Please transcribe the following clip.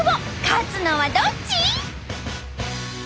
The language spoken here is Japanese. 勝つのはどっち！？